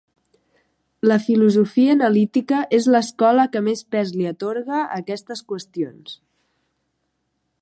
La filosofia analítica és l'escola que més pes li atorga a aquestes qüestions.